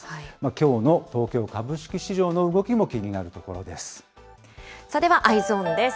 きょうの東京株式市場の動きも気ではＥｙｅｓｏｎです。